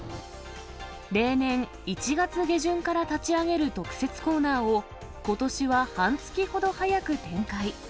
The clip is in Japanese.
例年、１月下旬から立ち上げる特設コーナーを、ことしは半月ほど早く展開。